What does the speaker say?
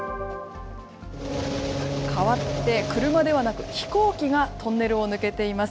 かわって車ではなく飛行機がトンネルを抜けています。